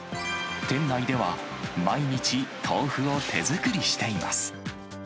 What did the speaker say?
店内では毎日、豆腐を手作りしています。